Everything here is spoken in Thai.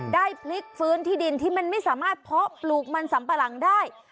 ได้พลิกฟื้นที่ดินที่มันไม่สามารถเพาะปลูกมันสัมปะหลังได้